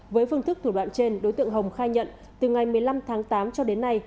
với phương thức thủ đoạn trên đối tượng hồng khai nhận từ ngày một mươi năm tháng tám cho đến nay